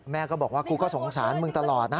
แม่ก็บอกว่ากูก็สงสารมึงตลอดนะ